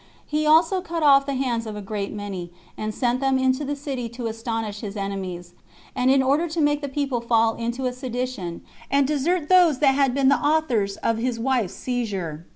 He also cut off the hands of a great many, and sent them into the city to astonish his enemies, and in order to make the people fall into a sedition, and desert those that had been the authors of his wife's seizure.